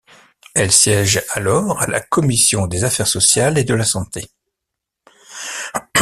Elle siège alors à la commission des Affaires sociales et de la Santé.